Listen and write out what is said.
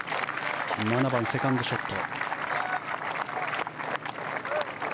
７番、セカンドショット。